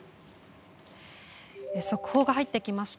速報が入ってきました。